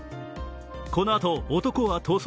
このあと、男は逃走。